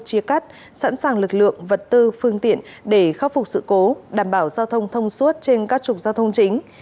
chia cắt sẵn sàng lực lượng vật tư phương tiện để khắc phục sự cố đảm bảo giao thông thông suốt trên các trục giao thông chính